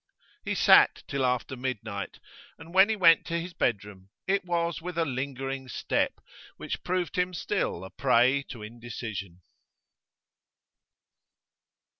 He sat till after midnight, and when he went to his bedroom it was with a lingering step, which proved him still a prey to indecision.